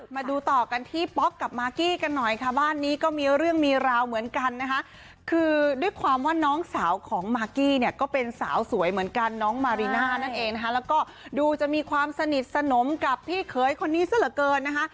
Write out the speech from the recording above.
มาดูต่อกันที่ป๊อกกับมากกี้กันหน่อยค่ะบ้านนี้ก็มีเรื่องมีราวเหมือนกันนะคะคือด้วยความว่าน้องสาวของมากกี้เนี่ยก็เป็นสาวสวยเหมือนกันน้องมาริน่านั่นเองนะคะแล้วก็ดูจะมีความสนิทสนมกับพี่เขยคนนี้ซะเหลือเกินนะคะ